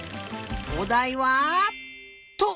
おだいは「と」！